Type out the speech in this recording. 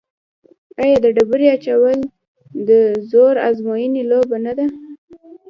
آیا د ډبرې اچول د زور ازموینې لوبه نه ده؟